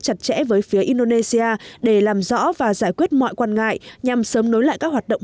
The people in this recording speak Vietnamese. chặt chẽ với phía indonesia để làm rõ và giải quyết mọi quan ngại nhằm sớm nối lại các hoạt động